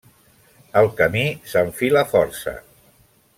El camí s'enfila força.